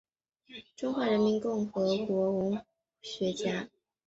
中华人民共和国文学家。